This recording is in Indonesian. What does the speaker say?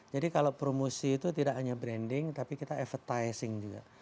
jadi kalau promosi itu tidak hanya branding tapi kita advertising juga